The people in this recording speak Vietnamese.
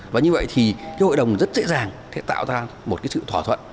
và như vậy thì cái hội đồng rất dễ dàng sẽ tạo ra một cái sự thỏa thuận